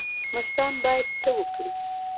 مشران باید څه وکړي؟